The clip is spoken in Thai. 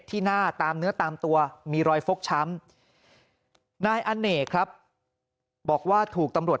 ที่หน้าตามเนื้อตามตัวมีรอยฟกช้ำนายอเนกครับบอกว่าถูกตำรวจ